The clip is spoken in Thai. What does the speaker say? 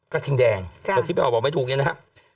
กระทิงแดงเดี๋ยวที่เปล่าบอกไม่ถูกอย่างนี้นะครับ